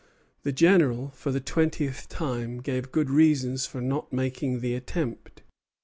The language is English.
The General, for the twentieth time, gave good reasons for not making the attempt.